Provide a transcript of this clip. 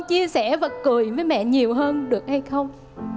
chia sẻ vật cười với mẹ nhiều hơn được hay không